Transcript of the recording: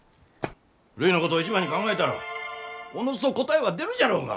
るいのことを一番に考えたらおのずと答えは出るじゃろうが！